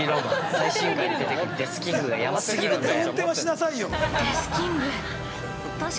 最新刊に出てくるデスキングがやばすぎるんだよ◆